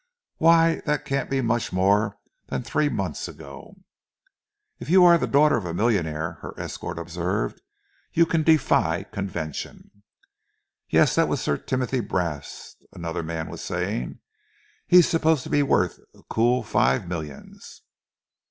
Why, that can't be much more than three months ago." "If you are the daughter of a millionaire," her escort observed, "you can defy convention." "Yes, that was Sir Timothy Brast," another man was saying. "He's supposed to be worth a cool five millions."